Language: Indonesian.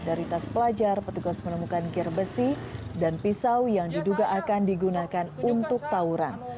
dari tas pelajar petugas menemukan ger besi dan pisau yang diduga akan digunakan untuk tawuran